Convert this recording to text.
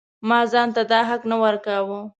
ما ځان ته دا حق نه ورکاوه.